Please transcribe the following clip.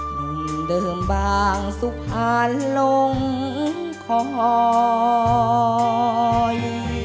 ลุงเดิมบางสุภาลลงคอย